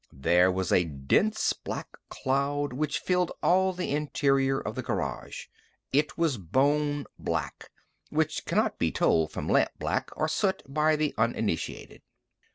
There was a dense black cloud which filled all the interior of the garage. It was bone black, which cannot be told from lamp black or soot by the uninitiated.